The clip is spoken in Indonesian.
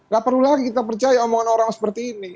gak perlu lagi kita percaya omongan orang seperti ini